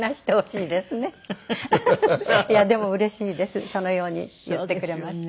いやでもうれしいですそのように言ってくれまして。